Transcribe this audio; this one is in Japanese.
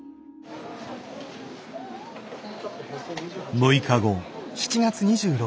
６日後。